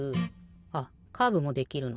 あっカーブもできるの。